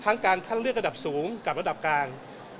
การคัดเลือกระดับสูงกับระดับกลาง